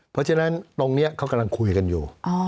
เพราะฉะนั้นตรงนี้เขากำลังคุยกันอยู่